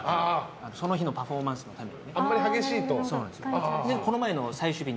その日のパフォーマンスのために。